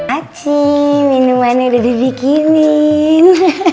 aci minumannya udah dibikinin